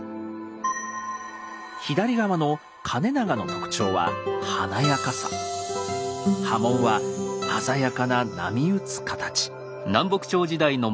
左側の「兼長」の特徴は刃文は鮮やかな波打つ形。